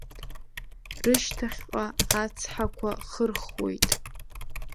Рышьҭахьҟа ацҳақәа хырхуеит.